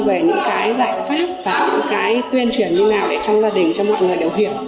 về những cái giải pháp và những cái tuyên truyền như nào để trong gia đình cho mọi người đều hiểu